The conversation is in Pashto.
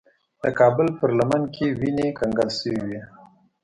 د کابل پر لمن کې وینې کنګل شوې وې.